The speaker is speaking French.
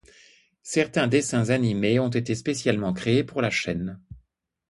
Certains dessins animés ont été spécialement créés pour la chaîne.